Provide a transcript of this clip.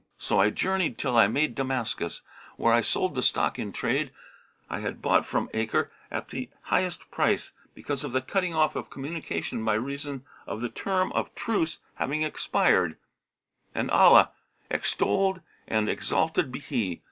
So I journeyed till I made Damascus, where I sold the stock in trade I had brought from Acre, at the highest price, because of the cutting off of communication by reason of the term of truce having expired; and Allah (extolled and exalted be He!)